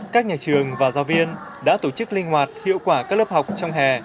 các nhà trường và giáo viên đã tổ chức linh hoạt hiệu quả các lớp học trong hè